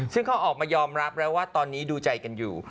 ซึ่งเขาออกมายอมรับแล้วว่าตอนนี้ดูใจกันอยู่